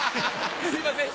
すいません。